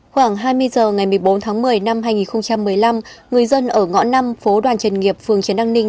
khoảng hai mươi h ngày một mươi bốn tháng một mươi năm hai nghìn một mươi năm người dân ở ngõ năm phố đoàn trần nghiệp phường trần đăng ninh